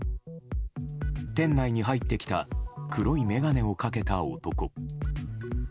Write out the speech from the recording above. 店内に入ってきた黒い眼鏡をかけた男。